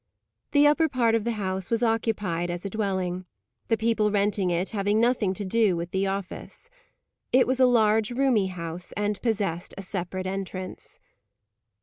The upper part of the house was occupied as a dwelling; the people renting it having nothing to do with the office. It was a large, roomy house, and possessed a separate entrance.